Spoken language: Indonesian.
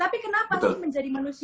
tapi kenapa tuh menjadi manusia